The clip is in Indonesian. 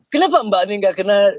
kenapa mbak ini nggak kenal